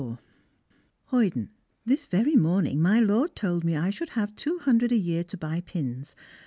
*^ Hoyden. This very morning my lord told me I should have twc hundred a year to buy pins.